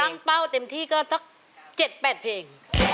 เป้าเต็มที่ก็สัก๗๘เพลง